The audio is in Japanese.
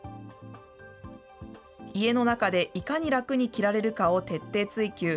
家の中でいかに楽に着られるかを徹底追求。